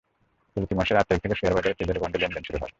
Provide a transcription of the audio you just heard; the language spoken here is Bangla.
চলতি মাসের আট তারিখ থেকে শেয়ারবাজারে ট্রেজারি বন্ডের লেনদেন শুরু হয়।